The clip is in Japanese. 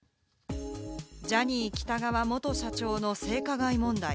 ジャニー喜多川元社長の性加害問題。